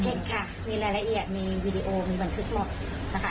ค่ะมีรายละเอียดมีวีดีโอมีบันทึกหมดนะคะ